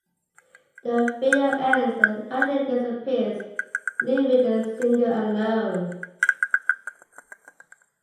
The video ends when Lachey disappears, leaving the singer alone.